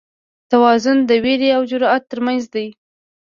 توازن د وېرې او جرئت تر منځ دی.